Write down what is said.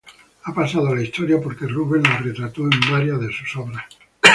Ha pasado a la historia porque Rubens la retrató en varias de sus obras.